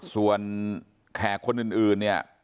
ส่วนแขกคนอื่นเนี่ย